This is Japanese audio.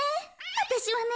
わたしはね